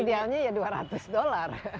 idealnya ya dua ratus dolar